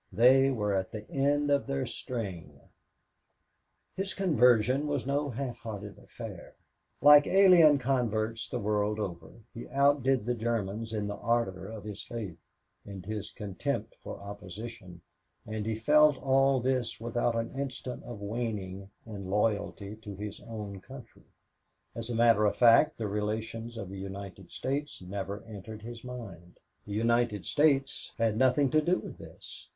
They were at the end of their string. His conversion was no half hearted affair. Like alien converts the world over, he outdid the Germans in the ardor of his faith, in his contempt of opposition, and he felt all this without an instant of waning in loyalty to his own country. As a matter of fact the relations of the United States never entered his mind. The United States had nothing to do with this.